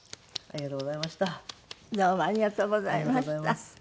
ありがとうございます。